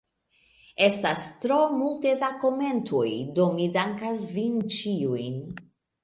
Estas tro multe de komentoj, do mi dankas vin ĉiujn.